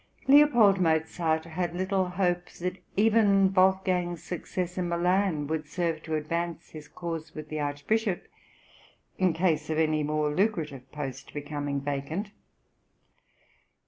Leopold Mozart had little hope that even Wolfgang's success in Milan would serve to advance his cause with the Archbishop in case of any more lucrative post becoming vacant.